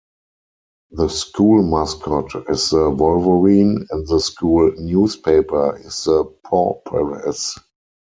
The school mascot is the Wolverine and the school newspaper is the Paw Press.